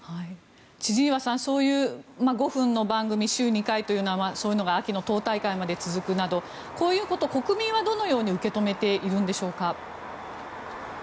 千々岩さん５分の番組、週２回というのがそういうのが秋の党大会まで続くなどこういうことを国民はどのように受け止めているんでしょうか。